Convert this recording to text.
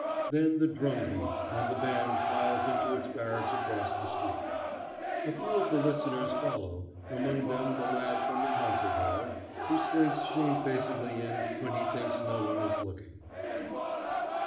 Then the drum beat, and the band files into its barracks across the street. A few of the listeners follow, among them the lad from the concert hall, who slinks shamefacedly in when he thinks no one is looking.